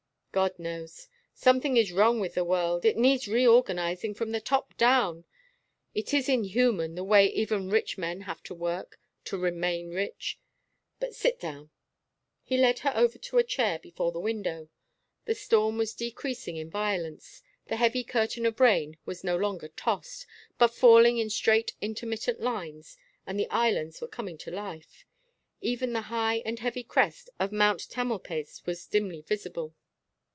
"God knows. Something is wrong with the world. It needs reorganizing from the top down. It is inhuman, the way even rich men have to work to remain rich! But sit down." He led her over to a chair before the window. The storm was decreasing in violence, the heavy curtain of rain was no longer tossed, but falling in straight intermittent lines, and the islands were coming to life. Even the high and heavy crest of Mount Tamalpais was dimly visible.